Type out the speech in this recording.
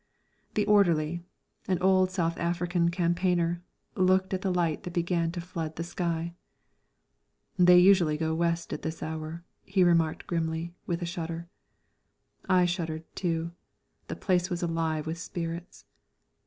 The orderly, an old South African campaigner, looked at the light that began to flood the sky. "They usually go West at this hour," he remarked grimly, with a shudder. I shuddered too; the place was alive with spirits.